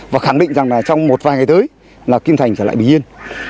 và khẳng định rằng là trong một vài ngày tới là kim thành trở lại bình yên